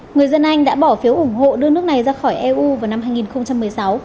người dân anh đã bỏ phiếu ủng hộ đưa nước này ra khỏi eu vào năm hai nghìn một mươi sáu